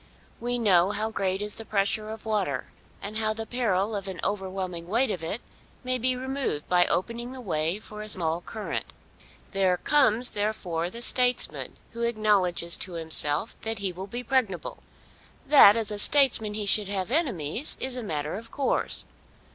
We know how great is the pressure of water; and how the peril of an overwhelming weight of it may be removed by opening the way for a small current. There comes therefore the Statesman who acknowledges to himself that he will be pregnable. That, as a Statesman, he should have enemies is a matter of course.